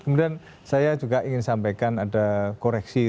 kemudian saya juga ingin sampaikan ada koreksi